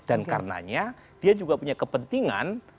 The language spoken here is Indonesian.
dan karenanya dia juga punya kepentingan